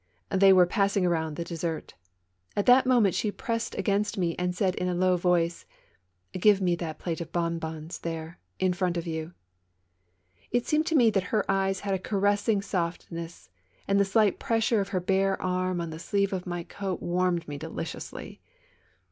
Tliej were passing around the dessert. At that moment she pressed against me and said, in a low voice : ''Give me that plate of bonbons, there, in front of you." It seemed to me that her eyes had a caressing soft ness, and the slight pressure of her bare arm on the sleeve of my coat warmed me deliciously.